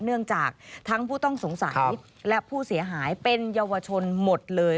เนื่องจากทั้งผู้ต้องสงสัยและผู้เสียหายเป็นเยาวชนหมดเลย